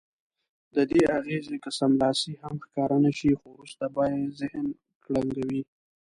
ددې اغېز که سملاسي هم ښکاره نه شي خو وروسته به یې ذهن کړنګوي.